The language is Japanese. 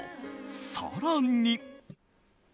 更に。